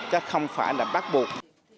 chắc không phải là bác buộc